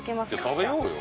食べようよ。